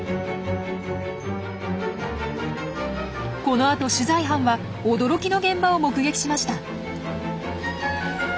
このあと取材班は驚きの現場を目撃しました。